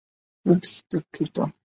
উপস, দুঃখিত।